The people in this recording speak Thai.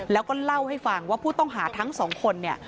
แล้วก็เล่าให้ฟังว่าผู้ต้องหาทั้งสองคนเนี่ย